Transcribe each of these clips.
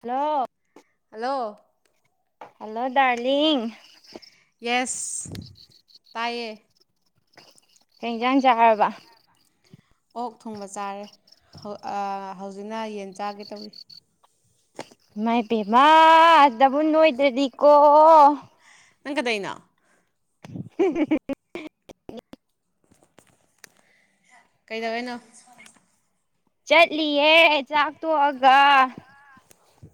hello hello hello darling yes ꯇꯌꯦ ꯀꯩ ꯏꯟꯖꯥꯡ ꯆꯥꯔꯕ ꯑꯣꯛ ꯊꯣꯡꯕ ꯆꯥꯔꯦꯐꯠ ꯑꯥ ꯍꯧꯖꯤꯛꯅ ꯌꯦꯟ ꯆꯥꯒꯦ ꯇꯧꯔꯤ ꯏ ꯃꯥꯏ ꯄꯦꯃ ꯗꯕꯨ ꯅꯣꯏꯗ꯭ꯔꯗꯤꯀꯣ ꯅꯪ ꯀꯗꯩ ꯏꯅꯣ [inaudible] ꯀꯩꯗꯧꯏꯅꯣ ꯆꯠꯂꯤꯌꯦ ꯆꯥꯛ ꯇꯣꯛꯑꯒ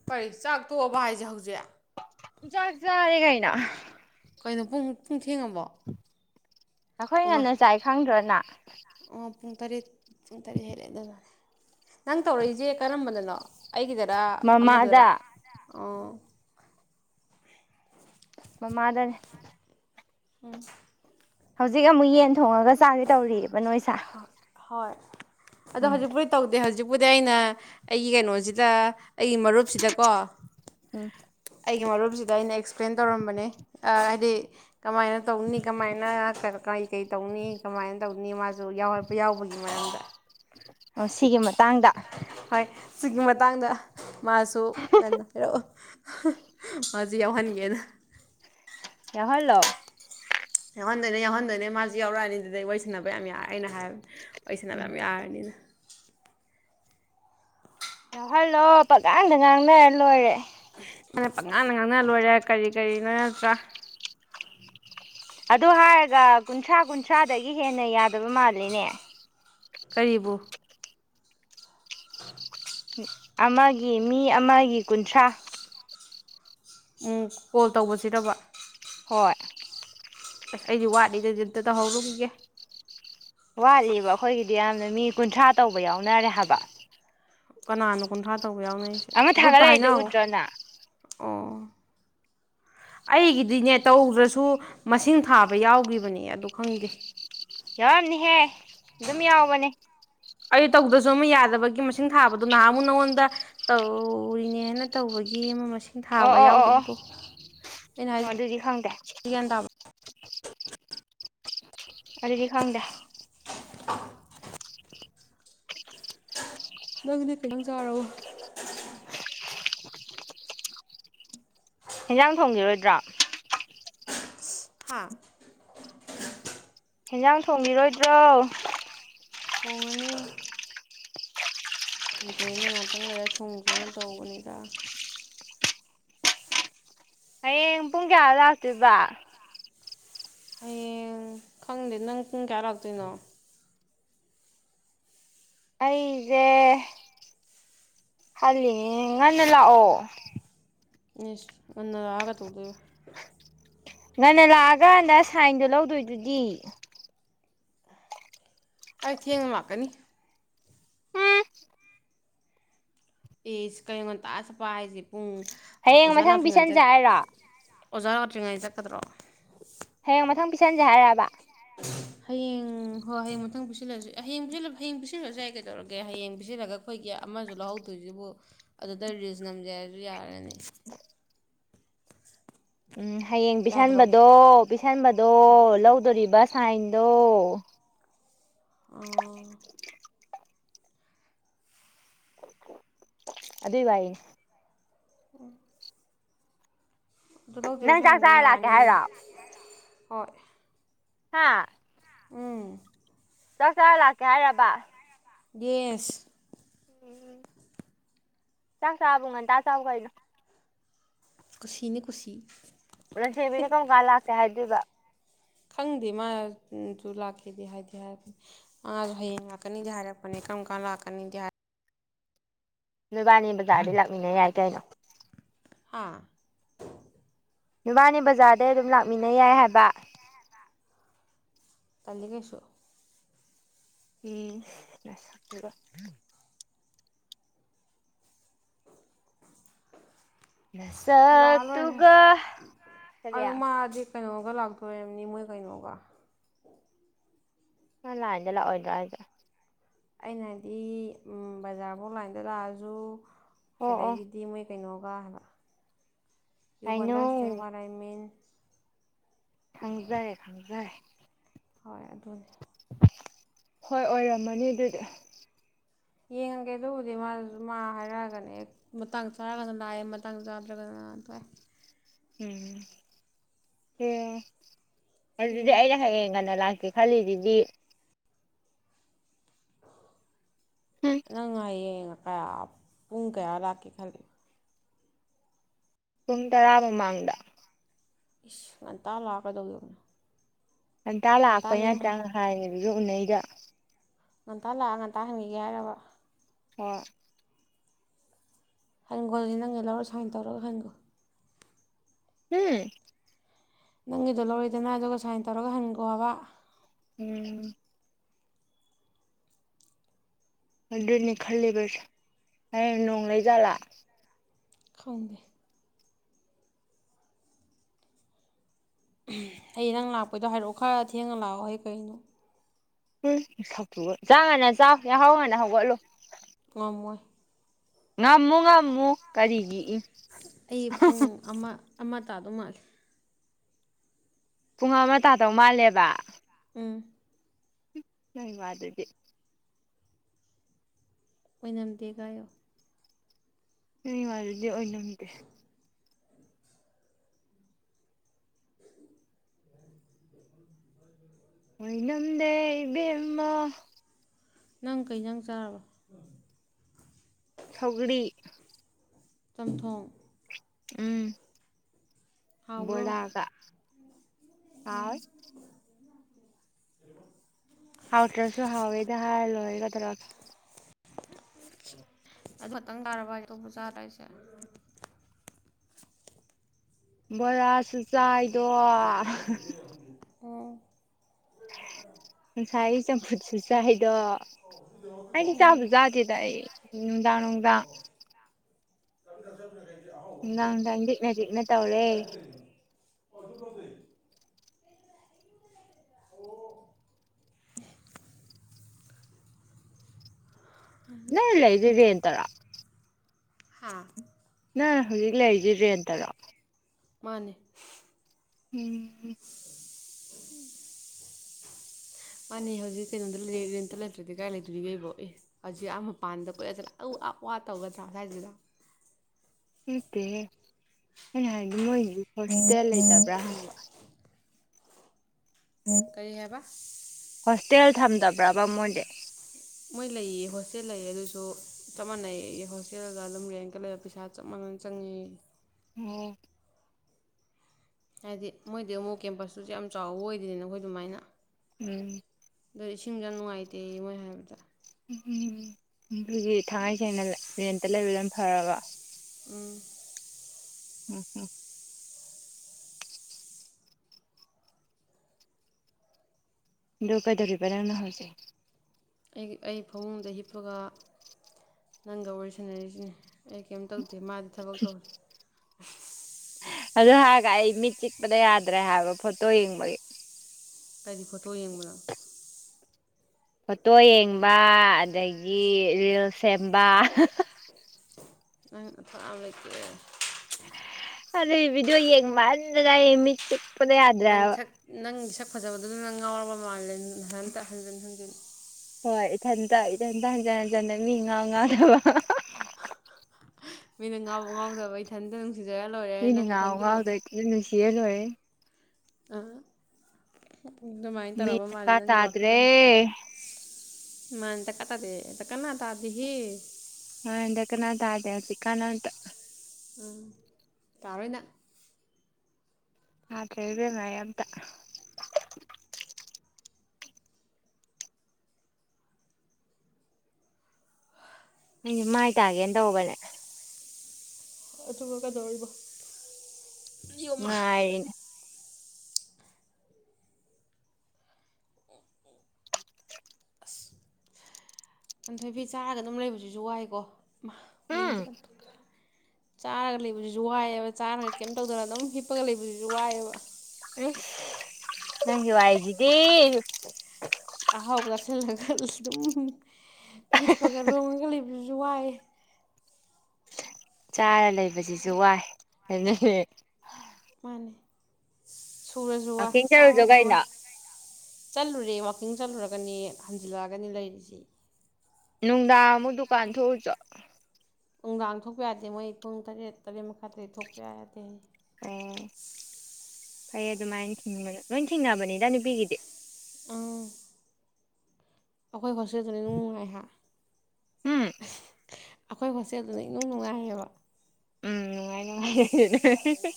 ꯀꯔꯤ ꯆꯥꯛ ꯇꯣꯛꯑꯕ ꯍꯥꯏꯁꯦ ꯍꯧꯖꯤꯛ ꯆꯥꯛ ꯆꯥꯔꯦ ꯀꯩꯅꯣ ꯀꯩꯅꯣ ꯄꯨꯡ ꯄꯨꯡꯖ ꯊꯦꯡꯉꯕꯣ ꯅꯈꯣꯏ ꯑꯣꯃꯥ ꯉꯟꯅ ꯆꯥꯏ ꯈꯪꯗ꯭ꯔꯣ ꯅꯥ ꯑꯣ ꯄꯨꯡ ꯇꯔꯦꯠ ꯄꯨꯡ ꯇꯔꯦꯠ ꯍꯦꯜꯂꯦꯗꯅ ꯅꯪ ꯇꯧꯔꯛꯏꯁꯦ ꯀꯔꯝꯕꯗꯅꯣ ꯑꯩꯒꯤꯗꯔꯥ ꯑꯃꯗꯨꯔꯥ ꯃꯃꯥꯗ ꯎ ꯃꯃꯥꯗꯅꯦ ꯎꯝ ꯍꯧꯖꯤꯛ ꯑꯃꯨꯛ ꯌꯦꯟ ꯊꯣꯡꯉꯒ ꯆꯥꯗꯣꯏ ꯇꯧꯔꯤꯑꯦꯕ ꯅꯣꯏ ꯁꯥ ꯍꯣꯏ ꯑꯗꯣ ꯍꯖꯤꯄꯨꯗꯤ ꯇꯧꯗꯦ ꯍꯧꯖꯤꯛ ꯄꯨꯗꯤ ꯑꯩꯅ ꯑꯩꯒꯤ ꯀꯩꯅꯣꯖꯤꯗ ꯑꯩꯒꯤ ꯃꯔꯨꯞꯁꯤꯗꯀꯣ ꯎꯝ ꯑꯩꯒꯤ ꯃꯔꯨꯞꯁꯤꯗ ꯑꯩꯅ ꯑꯦꯛꯁꯄ꯭ꯂꯦꯟ ꯇꯧꯔꯝꯕꯅꯦ ꯍꯥꯏꯗꯤ ꯀꯃꯥꯏꯅ ꯇꯧꯅꯤ ꯀꯃꯥꯏꯅ ꯀꯔꯤ ꯀꯩ ꯇꯧꯅꯤ ꯀꯃꯥꯏꯅ ꯇꯧꯅꯤ ꯃꯥꯁꯨ ꯌꯥꯎꯄ ꯌꯥꯎꯕꯒꯤ ꯃꯔꯝꯗ ꯁꯤꯒꯤ ꯃꯇꯥꯡꯗ ꯍꯣꯏ ꯁꯤꯒꯤ ꯃꯇꯥꯡꯗ ꯃꯥꯁꯨ ꯉꯟꯅ ꯍꯥꯏꯔꯛꯑꯣ ꯍ ꯃꯥꯖꯨ ꯌꯥꯎꯍꯟꯒꯦꯅ ꯌꯥꯎꯍꯜ ꯂꯣ ꯌꯥꯎꯍꯟꯗꯣꯏꯅꯦ ꯌꯥꯎꯍꯟꯗꯣꯏꯅꯦ ꯃꯥꯖꯨ ꯌꯥꯎꯔꯛꯑꯅꯤ ꯑꯗꯨꯗꯩ ꯋꯥꯔꯤ ꯁꯥꯟꯅꯕ ꯌꯥꯝ ꯌꯥꯔꯦ ꯑꯩꯅ ꯍꯥꯏꯕ ꯋꯥꯔꯤ ꯁꯥꯟꯅꯕ ꯎꯝ ꯌꯥꯝ ꯌꯥꯔꯅꯤꯅꯗ ꯌꯥꯎꯍꯜꯂꯣ ꯄꯛꯉꯥꯡꯗ ꯉꯥꯡꯅꯔ ꯂꯣꯏꯔꯦ ꯑꯗ ꯄꯛꯉꯥꯡꯅ ꯉꯥꯡꯅ ꯂꯣꯏꯔꯦ ꯀꯔꯤ ꯀꯔꯤꯅꯣ ꯅꯠꯇ꯭ꯔꯥ ꯑꯗꯨ ꯍꯥꯏꯔꯒ ꯀꯨꯟꯊ꯭ꯔꯥ ꯀꯨꯟꯊ꯭ꯔꯥꯗꯒꯤ ꯍꯦꯟꯅ ꯌꯥꯗꯕ ꯃꯥꯜꯂꯤꯅꯦ ꯀꯔꯤꯕꯨ ꯑꯃꯒꯤ ꯃꯤ ꯑꯃꯒꯤ ꯀꯨꯟꯊ꯭ꯔꯥ ꯎꯝ ꯀꯣꯜ ꯇꯧꯕꯁꯤꯗꯕ ꯍꯣꯏ ꯑꯁ ꯑꯩꯗꯤ ꯋꯥꯠꯂꯤꯗꯗꯤ ꯑꯝꯇ ꯇꯧꯍꯧꯔꯨꯒꯤꯒꯦ ꯋꯥꯠꯂꯤꯕ ꯑꯩꯈꯣꯏꯒꯤꯗꯤ ꯌꯥꯝꯅ ꯃꯤ ꯀꯨꯟꯊ꯭ꯔꯥ ꯇꯧꯕ ꯌꯥꯎꯅꯔꯦ ꯍꯥꯏꯕ ꯀꯅꯥꯅꯣ ꯀꯨꯟꯊ꯭ꯔꯥ ꯇꯧꯕ ꯌꯥꯎꯅꯩꯖꯦ ꯑꯃ ꯒ꯭ꯔꯨꯞꯇ ꯊꯥꯒꯠꯂꯛꯏꯗꯣ ꯍꯥꯏꯅꯍꯧ ꯎꯗ꯭ꯔꯣꯅ ꯑꯣ ꯑꯩꯒꯤꯗꯤꯅꯦ ꯇꯧꯗ꯭ꯔꯁꯨ ꯃꯁꯤꯡ ꯊꯥꯕ ꯌꯥꯎꯒꯤꯕꯅꯦ ꯑꯗꯨ ꯈꯪꯗꯦ ꯌꯥꯎꯔꯝꯅꯤꯍꯦ ꯑꯗꯨꯝ ꯌꯥꯎꯕꯅꯦ ꯑꯩ ꯇꯧꯗ꯭ꯔꯖꯨ ꯑꯃ ꯌꯥꯗꯕꯒꯤ ꯃꯁꯤꯡ ꯊꯥꯕꯗꯣ ꯅꯍꯥꯟ ꯃꯨꯛ ꯅꯉꯣꯟꯗ ꯇꯧꯔꯤꯅꯦꯅ ꯇꯧꯕꯒꯤ ꯑꯃ ꯃꯁꯤꯡ ꯁꯤꯡ ꯑꯣ ꯊꯥꯕ ꯑꯣ ꯑꯣ ꯑꯣ ꯌꯥꯎꯗꯕꯗꯣ ꯑꯩꯅ ꯑꯣ ꯍꯥꯏꯖ ꯑꯗꯨꯗꯤ ꯈꯪꯗꯦ ꯒ꯭ꯌꯥꯟ ꯇꯥꯕ ꯑꯗꯨꯗꯤ ꯈꯪꯗꯦ ꯅꯪꯗꯤ ꯀꯩ ꯏꯟꯖꯥꯡ ꯆꯥꯔꯕ ꯍꯦꯟꯖꯥꯡ ꯊꯣꯡꯒꯤꯔꯣꯏꯗ꯭ꯔꯥ ꯍꯥꯥ ꯍꯦꯟꯖꯥꯡ ꯊꯣꯡꯒꯤꯔꯣꯏꯗ꯭ꯔꯣ ꯊꯣꯡꯉꯅꯤ ꯉꯝꯗ꯭ꯔꯦꯅ ꯉꯥꯛꯇꯪ ꯂꯩꯔ ꯊꯣꯡꯖꯦꯅ ꯇꯧꯕꯅꯤꯗ ꯍꯌꯦꯡ ꯄꯨꯡ ꯀꯌꯥ ꯂꯥꯛꯇꯣꯏꯕ ꯍꯌꯦꯡ ꯈꯪꯗꯦ ꯅꯪ ꯄꯨꯡ ꯀꯌꯥ ꯂꯥꯛꯇꯣꯏꯅꯣ ꯑꯩꯁꯦ ꯈꯜꯂꯤꯅꯦ ꯉꯟꯅ ꯂꯥꯛꯑꯣ ꯏꯁ ꯉꯟꯅ ꯂꯥꯛꯑ ꯀꯩꯗꯧꯗꯣꯢꯕ ꯉꯟꯅ ꯂꯥꯛꯑ ꯀꯥꯟꯗ ꯁꯥꯏꯟꯗꯣ ꯂꯧꯗꯣꯏꯗꯨꯗꯤ ꯑꯩ ꯊꯦꯡꯅ ꯂꯥꯛꯀꯅꯤ ꯎꯝ ꯑꯦꯁ ꯀꯩꯟ ꯉꯟꯇꯥ ꯆꯠꯄ ꯍꯥꯏꯁꯦ ꯄꯨꯡ ꯍꯌꯦꯡ ꯑꯣꯖꯥ ꯃꯊꯪ ꯄꯤꯁꯟꯖꯦ ꯍꯥꯏꯔꯣ ꯇ꯭ꯔꯤꯉꯥꯏ ꯆꯠꯀꯗ꯭ꯔꯣ ꯆꯠꯅꯦ ꯍꯥꯢꯔꯕ ꯍꯌꯦꯡ ꯍꯣꯏ ꯍꯌꯦꯡ ꯃꯊꯪ ꯄꯤꯁꯜꯂꯁꯤ ꯑꯦ ꯍꯌꯦꯡ ꯍꯌꯦꯡ ꯄꯤꯁꯤꯜꯂꯁꯨ ꯌꯥꯢ ꯀꯩꯗꯧꯔꯒꯦ ꯍꯌꯦꯡ ꯄꯤꯁꯤꯜꯂꯒ ꯑꯩꯈꯣꯏꯒꯤ ꯑꯃꯖꯨ ꯂꯧꯍꯧꯗꯣꯏꯖꯤꯕꯨ ꯑꯗꯨꯗ ꯔꯤꯜꯁ ꯅꯝꯖꯦ ꯍꯥꯏꯔꯁꯨ ꯌꯥꯔꯅꯤ ꯎꯝ ꯍꯌꯦꯡ ꯌꯥꯗ꯭ꯔꯣ ꯄꯤꯁꯟꯕꯗꯣ ꯄꯤꯁꯟꯕꯗꯣ ꯂꯧꯗꯣꯔꯤꯕ ꯁꯥꯏꯟꯗꯣ ꯑꯥ ꯑꯗꯨꯢ ꯋꯥꯔꯤꯅꯤ ꯎꯝ ꯑꯗꯨ ꯂꯧꯗꯣꯏꯔꯣ ꯅꯪ ꯆꯥꯛ ꯁꯥꯏꯟꯗꯣ ꯆꯥꯔ ꯂꯥꯛꯀꯦ ꯌꯥꯅꯤꯌꯦ ꯍꯥꯏꯔꯣ ꯍꯣꯏ ꯍꯥꯥ ꯎꯝ ꯆꯥꯛ ꯆꯥꯔ ꯂꯥꯛꯀꯦ ꯍꯥꯏꯔꯕ ꯌꯦꯁ ꯎꯝ ꯆꯥꯛ ꯆꯥꯕꯨ ꯉꯟꯇꯥ ꯆꯥꯎ ꯀꯩꯅꯣ ꯀꯨꯁꯤꯅꯤ ꯀꯨꯁꯤ ꯂꯟꯆꯦꯟꯕꯤꯅ ꯀꯝꯀꯥꯟ ꯂꯥꯛꯀꯦ ꯍꯥꯏ ꯗꯨꯢꯕ ꯈꯪꯗꯦ ꯃꯥꯁꯨ ꯂꯥꯛꯀꯦꯗꯤ ꯍꯥꯏꯗꯤ ꯍꯥꯏꯔꯛꯄ ꯃꯥꯁꯨ ꯍꯌꯦꯡ ꯂꯥꯛꯀꯅꯤꯗꯤ ꯍꯥꯏꯔꯛꯄꯅꯦ ꯀꯔꯝ ꯀꯥꯟ ꯂꯥꯛꯀꯅꯤꯗꯤ ꯍꯥꯏ ꯅꯣꯏꯕꯥꯟꯅꯤ ꯕꯖꯥꯔꯗꯩ ꯂꯥꯛꯃꯤꯟꯅ ꯌꯥꯏ ꯀꯩꯅꯣ ꯍꯥ ꯅꯣꯢꯕꯥꯟꯅꯤ ꯕꯖꯥꯔꯗꯩ ꯑꯗꯨꯝ ꯂꯥꯛꯃꯤꯟꯅ ꯌꯥꯏ ꯍꯥꯏꯕ ꯇꯜꯂꯤ ꯀꯩꯁꯨ ꯏꯁ ꯅꯁꯛꯇꯨꯒ ꯅꯁꯛ ꯂꯥꯛꯑ ꯂꯣꯏꯔꯦ ꯇꯨꯒ ꯀꯔꯤ ꯑꯗꯣ ꯃꯥꯗꯤ ꯀꯩꯅꯣꯒ ꯂꯥꯛꯇꯣꯏ ꯑꯣꯢꯝꯅꯤ ꯃꯣꯏ ꯀꯩꯅꯣꯒ ꯃꯥ ꯂꯥꯢꯟꯗ ꯂꯥꯛꯑꯣꯏꯗ꯭ꯔꯣ ꯍꯥꯏꯖꯦ ꯑꯩꯅ ꯍꯥꯢꯗꯤ ꯎꯝ ꯕꯖꯥꯔ ꯐꯥꯎ ꯂꯥꯏꯟꯗ ꯂꯥꯛꯑꯁꯨ ꯑꯣ ꯑꯣ ꯁꯤꯗꯒꯤꯗꯤ ꯃꯣꯏ ꯀꯩꯅꯣꯒ ꯍꯥꯏꯕ ꯌꯨ ꯑꯥꯏ ꯅꯣ ꯑꯟꯗꯔꯁ꯭ꯇꯦꯟ ꯋꯥꯠ ꯑꯥꯢ ꯃꯤꯟ ꯈꯪꯖꯔꯦ ꯈꯪꯖꯔꯦ ꯍꯣꯏ ꯑꯗꯨꯅꯦ ꯍꯣꯏ ꯑꯣꯏꯔꯝꯃꯅꯤ ꯑꯗꯨꯗꯤ ꯌꯦꯡꯉꯒꯦ ꯑꯗꯨꯕꯨꯗꯤ ꯃꯥꯖꯨ ꯃꯥ ꯍꯥꯏꯔꯛꯑꯒꯅꯦ ꯑꯦ ꯃꯇꯥꯡ ꯆꯥꯔꯒꯅ ꯅꯥꯢ ꯃꯇꯥꯡ ꯆꯥꯗ꯭ꯔꯒꯅ ꯅꯥ ꯇꯣꯑꯦ ꯎꯝ ꯌꯦꯡꯉꯣ ꯑꯗꯨꯗꯤ ꯌꯦꯡꯒꯦ ꯑꯩꯅ ꯍꯌꯦꯡ ꯉꯟꯅ ꯂꯥꯛ ꯈꯂꯤꯁꯤꯗꯤ ꯅꯪ ꯉꯥꯏ ꯌꯦꯡ ꯀ ꯄꯨꯡꯨ ꯀꯌꯥꯗ ꯂꯥꯛꯀꯦ ꯈꯜꯂꯤ ꯄꯨꯡ ꯇꯔꯥ ꯃꯃꯥꯡꯗ ꯏꯁ ꯉꯟꯇꯥ ꯂꯥꯛꯀꯗꯧ ꯗꯣꯏꯕ ꯉꯟꯇ ꯂꯥꯛꯄ ꯌꯥꯗ꯭ꯔ ꯍꯥꯏꯌꯦ ꯍꯧꯖꯤꯛ ꯎꯅꯩꯕ ꯉꯟꯇꯥ ꯂꯥꯛꯑꯒ ꯉꯟꯇ ꯍꯪꯈꯤ ꯌꯥꯢ ꯍꯥꯏꯕ ꯑꯣ ꯍꯟꯈꯣꯗꯤ ꯅꯪꯒ ꯂꯧꯔ ꯁꯥꯏꯟ ꯇꯧꯔꯒ ꯍꯟꯒꯣ ꯍꯝ ꯅꯪꯒꯤꯗꯣ ꯂꯧꯔꯤꯗꯅ ꯑꯗꯨꯒ ꯁꯥꯏꯟ ꯇꯧꯔꯒ ꯍꯟꯒꯣꯕ ꯎꯝ ꯑꯗꯨꯅꯤ ꯈꯂꯤꯕꯁꯦ ꯅꯣꯡ ꯂꯩꯖꯂ ꯈꯪꯗꯦ ꯑꯩ ꯅꯪ ꯂꯥꯛꯄꯩꯗꯣ ꯍꯥꯏꯔꯛꯑꯣ ꯈꯔ ꯊꯦꯡꯉ ꯂꯥꯛꯑꯣ ꯑꯩ ꯀꯩꯅꯣ ꯎꯝ ꯅꯁꯥꯛꯇꯨꯒ ꯆꯥꯛ ꯉꯟꯅ ꯆꯥꯎ ꯌꯍꯧ ꯉꯟꯅ ꯍꯧꯒꯠꯂꯨ ꯉꯝꯃꯣꯏ ꯉꯝꯃꯨ ꯉꯝꯃꯨ ꯀꯔꯤꯒꯤ ꯏ ꯑꯩ ꯄꯨꯡ ꯑꯃ ꯑꯃ ꯇꯥꯗꯧ ꯃꯥꯜꯂꯤ ꯄꯨꯡ ꯑꯃ ꯇꯥꯗꯧ ꯃꯥꯜꯂꯦꯕ ꯑꯝ ꯅꯣꯏ ꯃꯥꯗꯨꯗꯤ ꯑꯣꯏꯅꯝꯗꯦ ꯀꯥꯏꯌꯣ ꯅꯩ ꯋꯥꯗꯨꯗꯤ ꯑꯣꯢꯅꯝꯗꯦ ꯑꯣꯏ ꯅꯝꯗꯦ ꯏꯕꯦꯝꯕ ꯅꯪ ꯀꯩ ꯏꯟꯖꯥꯡ ꯆꯥꯔꯕ ꯁꯧꯒ꯭ꯔꯤ ꯆꯝꯊꯣꯡ ꯎꯝ ꯍꯥꯎꯕ꯭ꯔꯣ ꯕꯣꯔꯥꯒ ꯍꯥꯎ ꯍ [inaudible] ꯍꯥꯎꯇ꯭ꯔꯁꯨ ꯍꯥꯎꯋꯦꯗ ꯍꯥꯏ ꯂꯣꯏꯔꯦ ꯀꯗꯧꯔꯒꯦ ꯑꯗꯨ ꯈꯛꯇꯪ ꯆꯥꯔꯕ ꯍꯤꯢꯁꯤꯕꯣ ꯑꯇꯣꯞꯄ ꯆꯥꯗ꯭ꯔꯣ ꯍꯥꯢꯁꯦ ꯕꯣꯔꯥ [inaudible] ꯉꯁꯥꯏꯒꯤ ꯆꯝꯐꯨꯠꯁꯨ ꯆꯥꯢ ꯑꯗꯣ ꯍꯥꯏꯗꯤ ꯑꯩꯗꯤ ꯑꯣ ꯆꯥꯕꯨ ꯆꯥꯗꯦꯗ ꯑꯩ ꯅꯨꯡꯗꯥꯡ ꯅꯨꯡꯗꯥꯡ [unintelligible] ꯅꯨꯝꯗꯥꯡ ꯅꯨꯝꯗꯥꯡ ꯂꯤꯛꯅ ꯂꯤꯛꯅ ꯇꯧꯔꯦ ꯅꯣꯏ ꯂꯩꯗꯣ ꯔꯦꯠꯇ ꯇꯔꯣ ꯍꯥꯥ ꯅꯪ ꯍꯧꯖꯤꯛ ꯂꯩꯔꯤꯁꯤ ꯔꯦꯟ ꯇꯔꯣ ꯃꯥꯅꯤ ꯎꯝ [inaudible] ꯃꯥꯅꯦ ꯍꯧꯖꯤꯛ ꯀꯩꯅꯣꯗ ꯔꯦꯟꯇ ꯂꯩꯇ꯭ꯔꯗꯤ ꯀꯥꯏ ꯂꯩꯇ꯭ꯔꯤꯒꯩꯕꯣ ꯑꯦ ꯍꯧꯖꯤꯛ ꯑꯥ ꯃꯄꯥꯟꯗ ꯀꯣꯏꯆꯠ ꯆꯠꯂ ꯄꯥꯟꯗ ꯀꯣꯏꯆꯠ ꯆꯠꯂ ꯑꯧ ꯋꯥ ꯑꯥ ꯇꯧꯒꯗ꯭ꯔꯥ ꯁ꯭ꯋꯥꯏꯁꯤꯗ ꯅꯠꯇꯦꯍꯦ ꯑꯩꯅ ꯍꯥꯏꯗꯤ ꯃꯣꯏꯅꯤ ꯍꯣꯁꯇꯦꯜ ꯂꯩꯇꯕ꯭ꯔꯥ ꯍꯪꯕ ꯀꯔꯤ ꯍꯥꯏꯕ ꯍꯣꯁꯇꯦꯜ ꯊꯝꯗꯕ꯭ꯔꯕ ꯃꯣꯏꯗꯤ ꯃꯣꯏ ꯂꯩꯌꯦ ꯍꯣꯁꯇꯦꯜ ꯂꯩꯌꯦ ꯑꯗꯨꯁꯨ ꯆꯞ ꯃꯥꯟꯅꯩꯌꯦ ꯍꯣꯁꯇꯦꯜꯒ ꯑꯗꯨꯝ ꯔꯦꯟꯒ ꯂꯩꯔ ꯄꯩꯁꯥ ꯆꯞ ꯃꯥꯟꯅꯅ ꯆꯪꯉꯦ ꯑꯣ ꯍꯥꯏꯗꯤ ꯃꯣꯏꯗꯤ ꯑꯃꯨꯛ ꯀꯦꯝꯄꯁꯇꯨꯁꯨ ꯌꯥꯝ ꯆꯥꯎꯕ ꯑꯣꯏꯗꯦꯅ ꯑꯈꯣꯏ ꯑꯗꯨꯃꯥꯏꯅ ꯎꯝ ꯑꯗꯗꯤ ꯏꯁꯤꯡꯁꯨ ꯌꯥꯝ ꯅꯨꯡꯉꯥꯏꯇꯦ ꯃꯣꯏ ꯍꯥꯏꯕꯗ ꯎꯝ ꯑꯗꯨꯒꯤ ꯊꯥꯡꯉꯩ ꯁꯦꯡꯅ ꯔꯦꯟꯇ ꯂꯩ ꯐꯔ ꯔꯕ ꯑꯝ ꯎꯝ ꯑꯗꯨ ꯀꯩꯗꯧꯔꯤꯕ ꯅꯪꯅ ꯍꯧꯖꯤꯛ ꯑꯩꯒꯤ ꯑꯩ ꯐꯃꯨꯡꯗ ꯍꯤꯞꯄꯒ ꯅꯪꯒ ꯋꯥꯔꯤ ꯁꯥꯟꯅꯔꯤꯁꯤꯅꯤ ꯑꯩ ꯀꯩꯝ ꯇꯧꯗꯦ ꯃꯥꯗꯤ ꯊꯕꯛ ꯇꯧꯔꯦ ꯑꯗꯨ ꯍꯥꯏꯔꯒ ꯑꯩ ꯃꯤꯠ ꯆꯤꯛꯄꯗ ꯌꯥꯗ꯭ꯔꯦ ꯍꯥꯏꯕ ꯐꯣꯇꯣ ꯌꯦꯡꯕꯒꯤ ꯀꯔꯤ ꯐꯣꯇꯣ ꯌꯦꯡꯕꯅꯣ ꯐꯣꯇꯣ ꯌꯦꯡꯕ ꯑꯗꯒꯤ ꯔꯤꯜ ꯁꯦꯝꯕ ꯅꯪ ꯅꯊꯧ ꯌꯝ ꯂꯩꯇꯦ ꯑꯗꯩ ꯚꯗꯤꯑꯣ ꯌꯦꯡ ꯃꯥꯟꯗꯅ ꯑꯩ ꯁꯤꯛ ꯅꯪ ꯁꯛ ꯅꯪꯒꯤ ꯁꯛ ꯐꯖꯕꯗꯨꯗꯨ ꯅꯪ ꯉꯥꯎꯔꯕ ꯃꯥꯜꯂꯦ ꯅꯊꯟꯇ ꯍꯟꯖꯤꯟ ꯍꯟꯖꯤꯟ ꯍꯣꯏ ꯏꯊꯟꯇ ꯏꯊꯟꯇ ꯍꯟꯖꯤꯟ ꯍꯟꯖꯟꯟꯅ ꯃꯤ ꯉꯥꯎ ꯉꯥꯎꯗꯕ ꯃꯤꯅ ꯉꯥꯎꯕ ꯉꯥꯎꯗꯕ ꯏꯊꯟꯇ ꯑꯗꯨꯝ ꯃꯅꯤ ꯉꯥꯎ ꯉꯥꯎꯗꯕ [unintelligible] [unintelligible] ꯑꯥ ꯑꯗꯨꯃꯥꯏꯅ ꯃꯤ ꯇꯧꯔꯕ ꯃꯥꯜꯂꯦ ꯗꯔꯀꯥ ꯅꯪꯒꯤ ꯇꯥꯗ꯭ꯔꯦ ꯋꯥꯈꯜꯂꯣꯟꯗ ꯃꯥꯅꯦ ꯗꯀꯥꯔ ꯇꯗꯦ ꯗꯀꯅꯥ ꯇꯗꯦꯍꯦ ꯃꯅꯦ ꯗꯀꯅꯥ ꯇꯥꯗꯦ ꯍꯨꯖꯤꯛꯀꯟ ꯑꯝꯇ ꯎꯝ ꯇꯥꯔꯣꯏ ꯅꯪ ꯇꯗ꯭ꯔꯦ ꯑꯩ ꯏꯕꯦꯝꯃ ꯑꯝꯇ ꯑꯩꯁꯦ ꯃꯥꯏ ꯇꯥꯒꯦꯅ ꯇꯧꯕꯅꯦ ꯑꯗꯨꯒ ꯀꯩꯗꯧꯔꯤꯕ ꯌꯣꯃꯥ ꯉꯥꯏꯔꯤꯅꯦ ꯑꯊꯣꯏꯕꯤ ꯆꯥꯔꯒ ꯑꯗꯨꯝ ꯂꯩꯕꯁꯤꯁꯨ ꯋꯥꯏꯀꯣ ꯃꯥ ꯎꯝ ꯃꯤꯡꯖꯨ ꯄꯟꯊꯣꯛꯈ꯭ꯔꯦ ꯆꯥꯔꯒ ꯂꯩꯕꯗꯨꯁꯨ ꯋꯥꯏꯑꯦꯕ ꯆꯥꯔꯒ ꯀꯩꯝ ꯇꯧꯗꯅ ꯑꯗꯨꯝ ꯍꯤꯞꯄꯒ ꯂꯩꯕꯗꯨꯁꯨ ꯋꯥꯏꯑꯦꯕ ꯑꯩꯁ ꯅꯪꯒꯤ ꯋꯥꯔꯤꯖꯤꯗꯤ ꯑꯍꯥꯎꯕ ꯈꯜꯂ ꯈꯜꯂ ꯑꯗꯨꯝ ꯍꯤꯞꯄꯒ ꯂꯣꯡꯉꯒ ꯂꯩꯕꯗꯨꯁꯨ ꯋꯥꯏ ꯆꯥꯔ ꯂꯩꯕꯁꯤꯁꯨ ꯋꯥꯏ ꯑꯗꯨꯅꯦ ꯃꯥꯅꯦ ꯁꯨꯔꯁꯨ ꯋꯥꯏ ꯋꯥꯛꯀꯤꯡ ꯆꯠꯂꯨꯆꯣ ꯆꯥꯔꯁꯨ ꯋꯥꯏ ꯀꯩꯅꯣ ꯆꯠꯂꯨꯔꯦ ꯋꯥꯛꯀꯤꯡ ꯆꯜꯂꯨꯔꯒꯅꯤ ꯍꯟꯖꯤꯜꯂꯛꯑꯒꯅꯤ ꯂꯩꯔꯤꯁꯤ ꯅꯨꯡꯗꯥꯡ ꯑꯃꯨꯛ ꯗꯨꯀꯥꯟ ꯊꯣꯛꯎ ꯆꯣ ꯅꯨꯡꯗꯥꯡ ꯊꯣꯛꯄ ꯌꯥꯗꯦ ꯃꯣꯏ ꯄꯨꯡ ꯇꯔꯦꯠ ꯇꯔꯦꯠ ꯃꯈꯥꯢꯗꯩ ꯊꯣꯛꯄ ꯌꯥꯗꯦ ꯐꯩ ꯐꯩ ꯑꯗꯨꯃꯥꯏꯟ ꯊꯤꯡꯕ ꯂꯣꯏ ꯊꯤꯡꯅꯕꯅꯤꯗ ꯅꯨꯄꯤꯒꯤꯗꯤ ꯎꯝ ꯑꯩꯈꯣꯏ ꯍꯣꯁꯇꯦꯜꯗꯨꯅ ꯏꯅꯨꯡ ꯅꯨꯡꯉꯥꯏꯍꯥ ꯎꯝ ꯑꯩꯈꯣꯏ ꯍꯣꯁꯇꯦꯜꯗꯨꯅ ꯏꯅꯨꯡ ꯅꯨꯡꯉꯥꯏ ꯍꯥꯏꯕ ꯎꯝ ꯅꯨꯡꯉꯥꯢ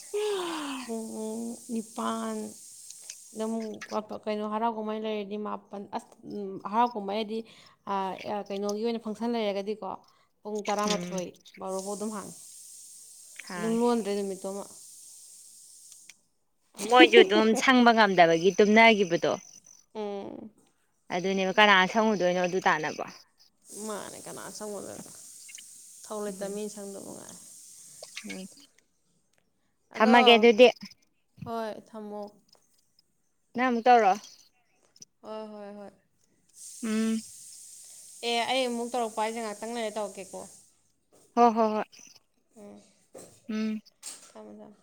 [unintelligible] ꯄꯨꯡ [unintelligible] ꯄꯨꯡ ꯎꯝ ꯇꯔꯥꯃꯥꯊꯣꯏ ꯕꯥꯔꯣꯕꯥꯎ ꯑꯗꯨꯝ ꯍꯥꯡ ꯑꯗꯨꯝ ꯍꯥꯏ ꯂꯣꯟꯗ꯭ꯔꯦ ꯅꯨꯃꯤꯠꯇꯨꯃ ꯃꯣꯏꯁꯨ ꯑꯗꯨꯝ ꯁꯪꯕ ꯉꯝꯗꯕꯒꯤ [unintelligible] ꯎꯝ ꯑꯗꯨꯅꯦꯕ ꯀꯅꯥꯅ ꯁꯪꯉꯨꯗꯣꯏꯅꯣ ꯑꯗꯨ ꯇꯥꯅꯕꯣ ꯃꯥꯅꯦ ꯀꯅꯥ ꯁꯪꯉꯨꯗꯣꯢꯅꯣ ꯊꯧ ꯂꯩꯇ ꯎꯝ ꯃꯤꯟ ꯁꯪꯗꯧ ꯃꯉꯥꯏ ꯎꯝ ꯑꯗꯣ ꯊꯝꯃꯒꯦ ꯑꯗꯨꯗꯤ ꯍꯣꯏ ꯊꯝꯃꯣ ꯅꯪ ꯑꯃꯨꯛ ꯇꯧꯔꯣ ꯍꯣꯏ ꯍꯣꯏ ꯍꯣꯏ ꯎꯝ ꯑꯦ ꯑꯩ ꯑꯃꯨꯛ ꯇꯧꯔꯛꯄ ꯍꯥꯏꯁꯦ ꯉꯥꯛꯇꯪ ꯂꯩꯔ ꯇꯧꯔꯛꯀꯦꯀꯣ ꯍꯣ ꯍꯣ ꯍꯣꯏ ꯎꯝ ꯊꯝꯃꯣ ꯊꯝꯃꯣ